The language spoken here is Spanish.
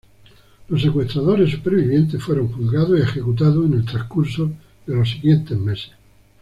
Los secuestradores supervivientes fueron juzgados y ejecutados en el transcurso de los siguientes meses.